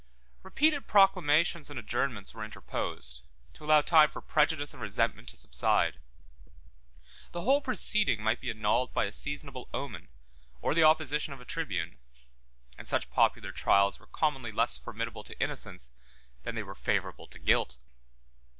Repeated proclamations and adjournments were interposed, to allow time for prejudice and resentment to subside: the whole proceeding might be annulled by a seasonable omen, or the opposition of a tribune; and such popular trials were commonly less formidable to innocence than they were favorable to guilt.